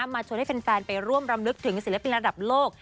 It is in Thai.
ชวนให้แฟนไปร่วมรำลึกถึงศิลปินระดับโลก